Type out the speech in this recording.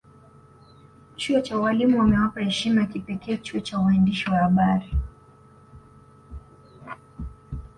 Chuo cha ualimu wamewapa heshima ya kipekee chuo cha uandishi wa habari